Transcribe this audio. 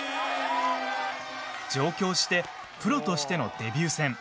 上京してプロとしてのデビュー戦。